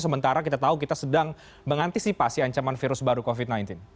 sementara kita tahu kita sedang mengantisipasi ancaman virus baru covid sembilan belas